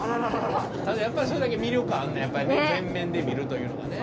ただやっぱりそれだけ魅力あんねん前面で見るというのがね。